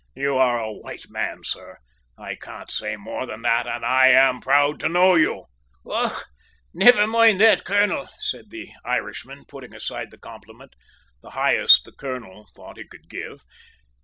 "You are a white man, sir. I can't say more than that, and I am proud to know you!" "Och, niver moind that, colonel," said the Irishman, putting aside the compliment, the highest the colonel thought he could give.